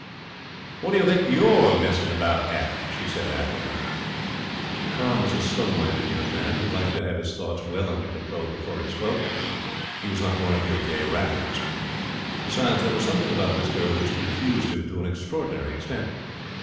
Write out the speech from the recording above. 'What do you think you're messing about at?' she said, affably. Tom was a slow minded young man, who liked to have his thoughts well under control before he spoke. He was not one of your gay rattlers. Besides, there was something about this girl which confused him to an extraordinary extent.